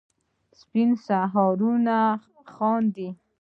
سپین سهارونه خاندي